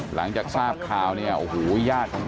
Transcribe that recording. หลังจากทราบข่าวเนี่ยโอ้โหย่ญาติบป้นเจ็บ